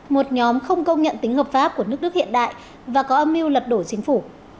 một nhóm không công nhận tính hợp pháp của nước đức hiện đại và có âm mưu lật đổ chính phủ